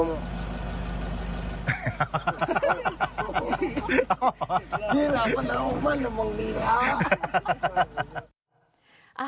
นี่ล่ะมันเกิดออกมานี่มองนี้ท้า